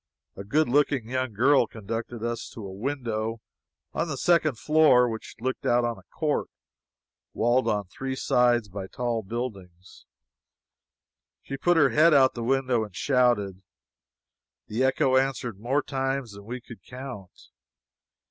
A good looking young girl conducted us to a window on the second floor which looked out on a court walled on three sides by tall buildings. She put her head out at the window and shouted. The echo answered more times than we could count.